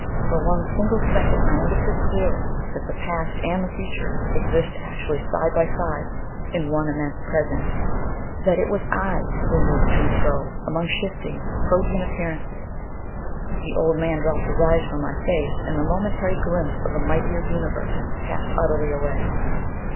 For one single second I understood clearly that the past and the future exist actually side by side in one immense Present; that it was I who moved to and fro among shifting, protean appearances. The old man dropped his eyes from my face, and the momentary glimpse of a mightier universe passed utterly away.